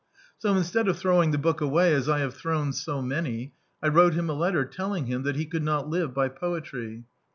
So instead of throwing the book away as I have thrown so many, I wrote him a letter telling him that he could not live by poetry.